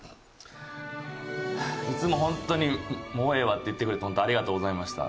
いつも本当に「もうええわ」って言ってくれて本当ありがとうございました。